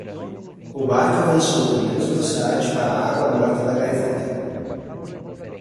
O barco avançou com menos velocidade para a água morta da gaivota.